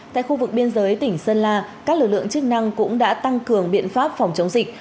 tại khu vực biên giới tỉnh sơn la các lực lượng chức năng cũng đã tăng cường biện pháp phòng chống dịch